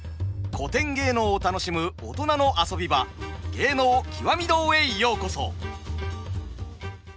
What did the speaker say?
古典芸能を楽しむ大人の遊び場「芸能きわみ堂」へようこそ！